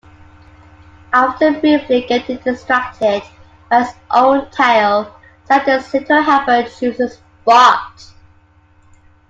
After briefly getting distracted by his own tail, Santa's Little Helper chooses Bart.